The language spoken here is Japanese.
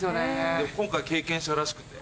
でも今回経験者らしくて。